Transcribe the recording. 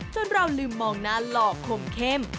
จนเราลืมมองหน้าหล่อคมเข้ม